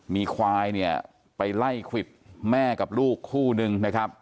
มีควายเนี่ยไปไล่ควิดแม่กับลูกคู่นึงนะครับ